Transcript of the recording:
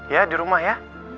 ya di rumah ya